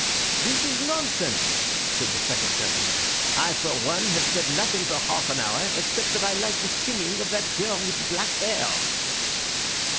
"This is nonsense!" said the second gentleman. "I for one have said nothing for half an hour except that I liked the singing of that girl with black hair."